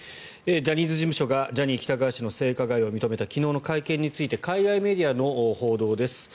ジャニーズ事務所がジャニー喜多川氏の性加害を認めた昨日の会見について海外メディアの報道です。